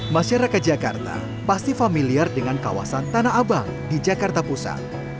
masyarakat jakarta pasti familiar dengan kawasan tanah abang di jakarta pusat